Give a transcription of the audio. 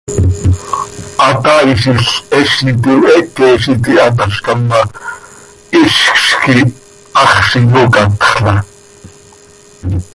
Hataaizil heezitim heeque z iti hatazcam ma, hizcz quih haxz iyocatxla.